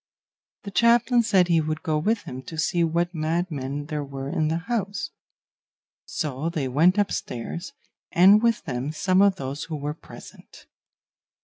The chaplain said he would go with him to see what madmen there were in the house; so they went upstairs, and with them some of those who were present.